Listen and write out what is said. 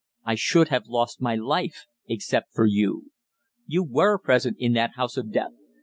I should have lost my life except for you. You were present in that house of death.